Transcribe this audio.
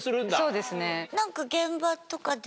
そうですね。